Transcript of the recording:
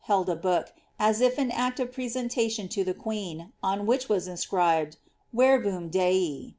held a book, as if in act of piesentation to the queen, on which was iiiscribeil *^ Verbum Dei.''